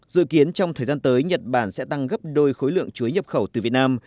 dự kiến trong thời gian tới nhật bản sẽ tăng gấp đôi khối lượng chuối nhập khẩu từ việt nam